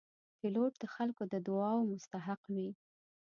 پیلوټ د خلکو د دعاو مستحق وي.